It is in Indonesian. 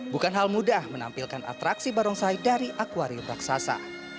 bukan hal mudah menampilkan atraksi barongsai dari akwarium raksasa